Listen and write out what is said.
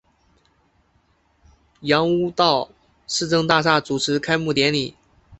杨屋道市政大厦主持开幕典礼。